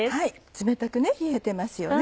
冷たく冷えてますよね。